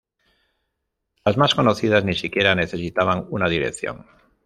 Las más conocidas ni siquiera necesitaban una dirección.